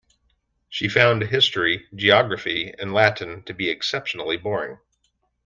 She found history, geography and Latin to be exceptionally boring.